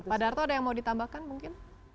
pak darto ada yang mau ditambahkan mungkin